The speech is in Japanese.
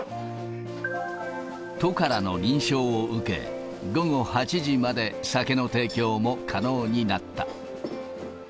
都からの認証を受け、午後８時まで酒の提供も可能になった。